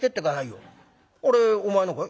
「あれお前のかい？」。